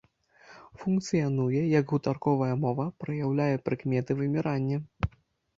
Функцыянуе як гутарковая мова, праяўляе прыкметы вымірання.